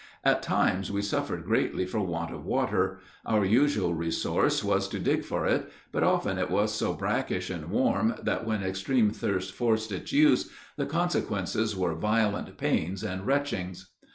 At times we suffered greatly for want of water; our usual resource was to dig for it, but often it was so brackish and warm that when extreme thirst forced its use the consequences were violent pains and retchings.